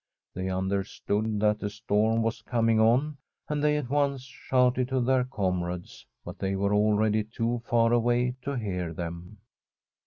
They understood that a storm was coming on, and they at once shouted to their comrades, but they were already too far away to hear them.